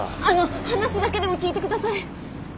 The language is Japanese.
あの話だけでも聞いて下さい！